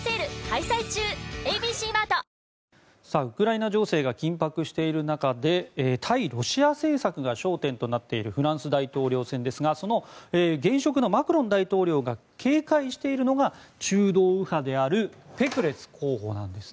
ウクライナ情勢が緊迫している中で対ロシア政策が焦点となっているフランス大統領選ですがその現職のマクロン大統領が警戒しているのが中道右派であるぺクレス候補。